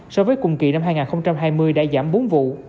so với cùng kỳ năm hai nghìn hai mươi đã giảm bốn vụ